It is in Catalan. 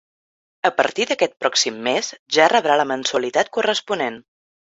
A partir d'aquest pròxim mes ja rebrà la mensualitat corresponent.